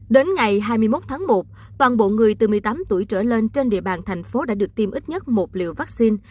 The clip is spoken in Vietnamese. đến ngày hai mươi một tháng một toàn bộ người từ một mươi tám tuổi trở lên trên địa bàn thành phố đã được tiêm ít nhất một liều vaccine